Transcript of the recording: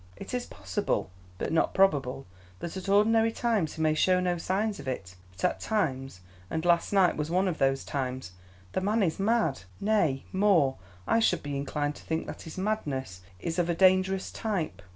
It is possible, but not probable, that at ordinary times he may show no signs of it; but at times, and last night was one of those times, the man is mad; nay, more, I should be inclined to think that his madness is of a dangerous type.